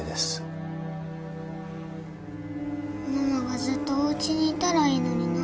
ママがずっとおうちにいたらいいのにな。